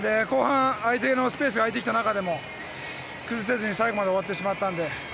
後半、相手のスペースが空いてきた中でも崩せずに最後まで終わってしまったので。